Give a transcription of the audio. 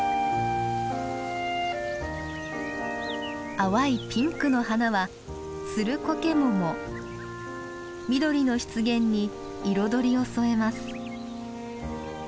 淡いピンクの花は緑の湿原に彩りを添えます。